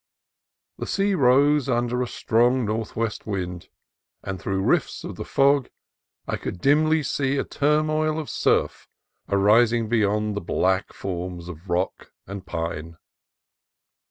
The sea rose under a strong northwest wind, and through rifts of the fog I could dimly see a turmoil of surf arising beyond the black forms of rock and pine.